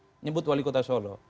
menyebut wali kota solo